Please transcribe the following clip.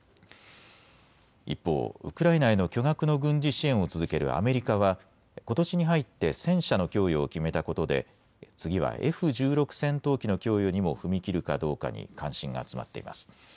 一方、ウクライナへの巨額の軍事支援を続けるアメリカはことしに入って戦車の供与を決めたことで次はＦ１６戦闘機の供与にも踏み切るかどうかに関心が集まっています。